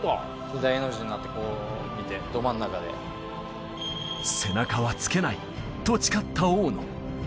大の字になって、こう見て、背中はつけないと誓った大野。